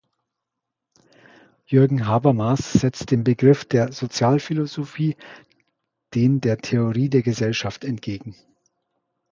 Jürgen Habermas setzt dem Begriff der Sozialphilosophie den der Theorie der Gesellschaft entgegen.